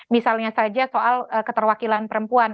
misalnya saja soal keterwakilan perempuan